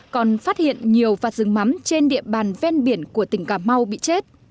còn phát hiện nhiều vạt rừng mắm trên địa bàn ven biển của tỉnh cà mau bị chết